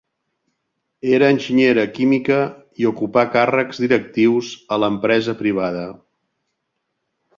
Era enginyera química i ocupà càrrecs directius a l'empresa privada.